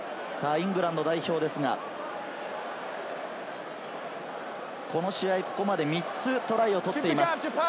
イングランド代表ですが、この試合、ここまで３つトライをとっています。